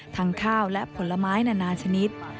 ทั้งข้าวและผลไม้นานาชนิด